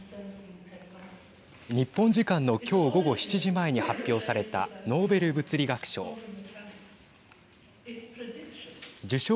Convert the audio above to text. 日本時間の今日、午後７時前に発表されたノーベル物理学賞。